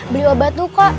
beli obat duka